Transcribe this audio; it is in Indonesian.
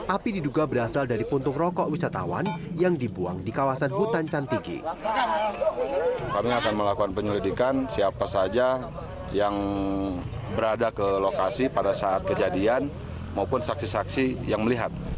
api diduga berasal dari puntung rokok wisatawan yang dibuang di kawasan hutan cantigi